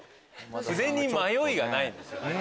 筆に迷いがないんですよね。